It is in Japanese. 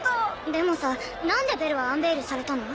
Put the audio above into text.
でもさ何でベルはアンベイルされたの？